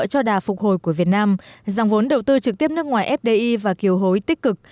cho đà phục hồi của việt nam dòng vốn đầu tư trực tiếp nước ngoài fdi và kiều hối tích cực